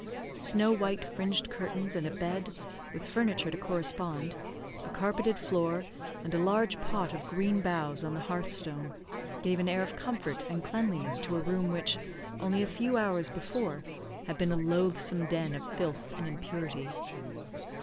Snow white fringed curtains, and a bed, with furniture to correspond, a carpeted floor, and a large pot of green boughs on the hearthstone, gave an air of comfort and cleanliness to a room which, only a few hours before, had been a loathsome den of filth and impurity.